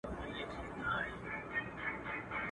چي پرون وو گاونډی نن میرڅمن سو.